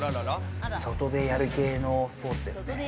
外でやる系のスポーツですね。